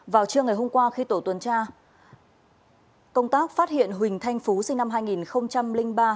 vào trưa ngày hôm qua khi tổ tuần tra công tác phát hiện huỳnh thanh phú sinh năm hai nghìn ba